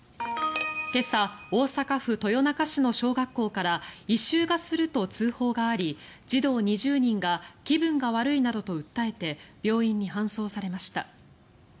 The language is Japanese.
今朝、大阪府豊中市の小学校から異臭がすると通報があり児童２０人が気分が悪いなどと訴えて病院に搬送されました。